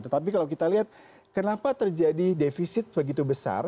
tetapi kalau kita lihat kenapa terjadi defisit begitu besar